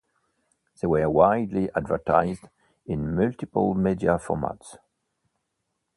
They were widely advertised in multiple media formats.